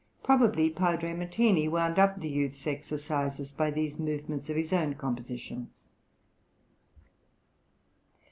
Probably Padre Martini wound up the youth's exercises by these movements of his own composition.